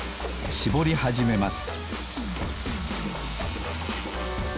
しぼりはじめます